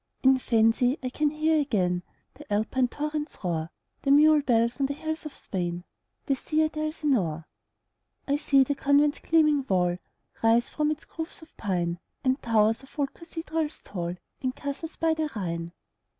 In fancy I can hear again The Alpine torrent's roar, The mule bells on the hills of Spain, 15 The sea at Elsinore. I see the convent's gleaming wall Rise from its groves of pine, And towers of old cathedrals tall, And castles by the Rhine.